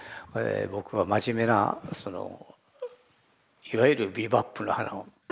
僕は真面目なそのいわゆるビバップ派の。